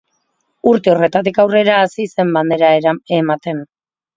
Urte horretatik aurrera hasi zen Bandera ematen.